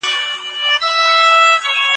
غم راته درمان کي راته وخاندي